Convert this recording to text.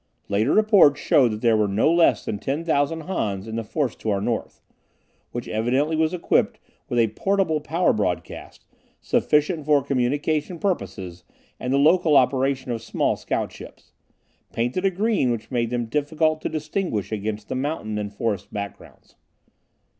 Later reports showed that there were no less than 10,000 Hans in the force to our north, which evidently was equipped with a portable power broadcast, sufficient for communication purposes and the local operation of small scoutships, painted a green which made them difficult to distinguish against the mountain and forest backgrounds.